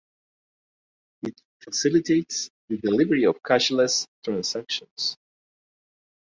It facilitates the delivery of cashless transactions.